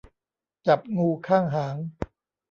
จับงูข้างหาง